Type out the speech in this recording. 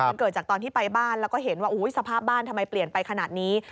มันเกิดจากตอนที่ไปบ้านแล้วก็เห็นว่าสภาพบ้านทำไมเปลี่ยนไปขนาดนี้